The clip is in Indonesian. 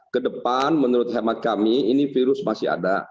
kedepan menurut hemat kami ini virus masih ada